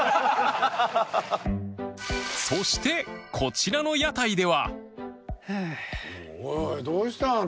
そしてこちらの屋台では